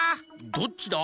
「どっちだ？」